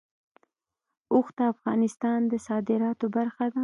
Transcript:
اوښ د افغانستان د صادراتو برخه ده.